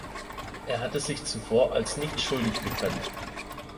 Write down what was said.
Er hatte sich zuvor als nicht schuldig bekannt.